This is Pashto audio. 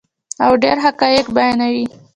او ډیر حقایق بیانوي.